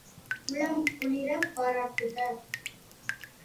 உளம் குளிரப் பாராட்டுக!